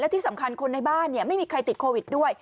ที่สำคัญคนในบ้านไม่มีใครติดโควิดด้วย